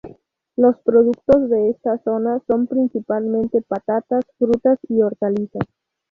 Los productos de esta zona son principalmente patatas, frutas y hortalizas.